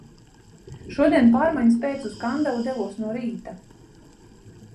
Šodien pārmaiņas pēc uz Kandavu devos no rīta.